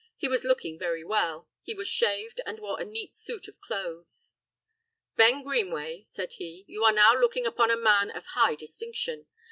He was looking very well; he was shaved, and wore a neat suit of clothes. "Ben Greenway," said he, "you are now looking upon a man of high distinction.